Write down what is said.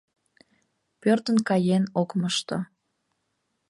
Пӧрдын каен ок мошто.